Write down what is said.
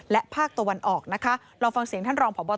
และภาคตะวันออกนะคะลองฟังเสียงท่านรองพบ